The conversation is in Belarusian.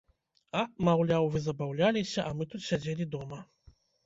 А, маўляў, вы забаўляліся, а мы тут сядзелі дома.